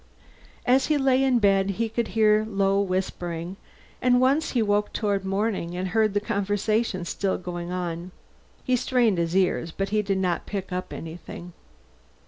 As he lay in bed he could hear low whispering, and once he woke toward morning and heard the conversation still going on. He strained his ears, but did not pick up anything.